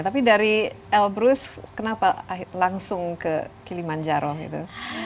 tapi dari elbrus kenapa langsung ke kilimanjaro gitu